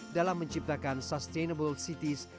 dalam menciptakan sustainable cities